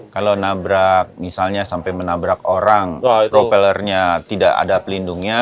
kalau nabrak misalnya sampai menabrak orang propellernya tidak ada pelindungnya